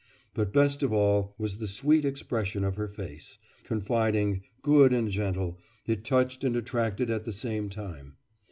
But best of all was the sweet expression of her face; confiding, good and gentle, it touched and attracted at the same time.